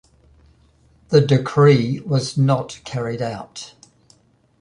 The decree was not carried out.